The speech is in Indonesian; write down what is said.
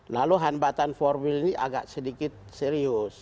lalu hambatan formil ini agak sedikit serius